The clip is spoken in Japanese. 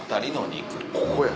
ここや。